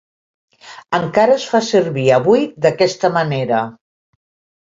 Encara es fa servir avui d'aquesta manera.